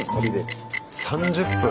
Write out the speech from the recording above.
３０分。